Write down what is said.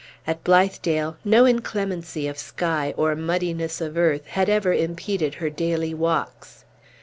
At Blithedale, no inclemency of sky or muddiness of earth had ever impeded her daily walks.